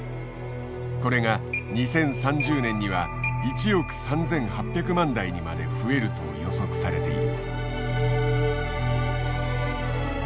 これが２０３０年には１億３，８００万台にまで増えると予測されている。